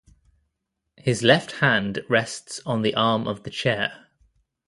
His left hand rests on the arm of the chair.